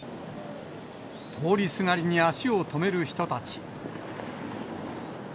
通りすがりに足を止める人たち。